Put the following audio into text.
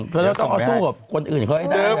เธอต้องสู้กับคนอื่นเขาให้ได้นะ